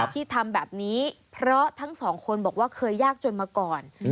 ที่ทำแบบนี้เพราะทั้งสองคนบอกว่าเคยยากจนมาก่อน